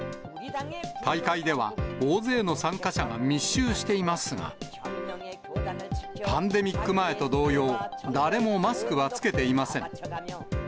大会では大勢の参加者が密集していますが、パンデミック前と同様、誰もマスクは着けていません。